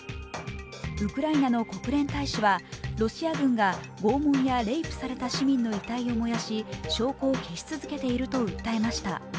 ウクライナの国連大使はロシア軍が拷問やレイプされた市民の遺体を燃やし証拠を消し続けていると訴えました。